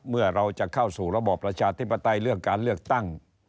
เมื่อเราจะเข้าสู่ระบอบประชาธิปไตยเรื่องการเลือกตั้ง